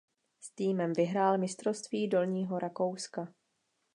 S týmem vyhrál mistrovství Dolního Rakouska.